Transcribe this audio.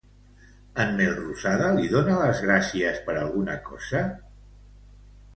En Melrosada li dona les gràcies per alguna cosa?